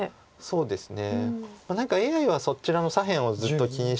そうですね。